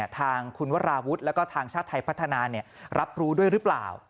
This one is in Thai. ทางคุณวราวุฒิแล้วก็ทางชาติไทยพัฒนารับรู้ด้วยหรือเปล่า